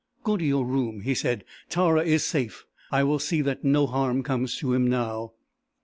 "Go to your room," he said. "Tara is safe. I will see that no harm comes to him now."